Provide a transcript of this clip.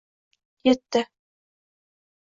Yetdi